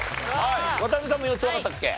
渡辺さんも４つわかったっけ？